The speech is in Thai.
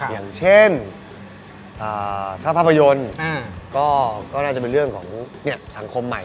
อย่างเช่นถ้าภาพยนตร์ก็น่าจะเป็นเรื่องของสังคมใหม่